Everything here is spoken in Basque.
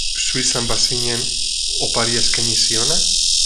Zu izan bazinen oparia eskaini ziona?